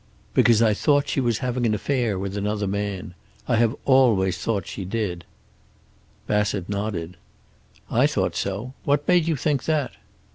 "Because I thought she was having an affair with another man. I have always thought she did it." Bassett nodded. "I thought so. What made you think that?"